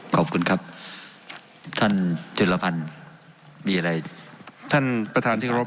ขอบคุณครับท่านจุลพันธ์มีอะไรท่านประธานที่เคารพ